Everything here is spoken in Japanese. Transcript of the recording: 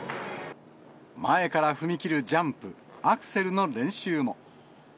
前から踏み切るジャンプ、アクセルの練習も。